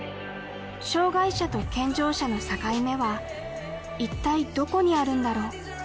障害者と健常者の境目はいったいどこにあるんだろう？